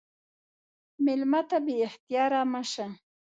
مېلمه ته بې اختیاره مه شه.